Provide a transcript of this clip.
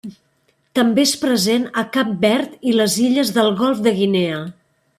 També és present a Cap Verd i les illes del Golf de Guinea.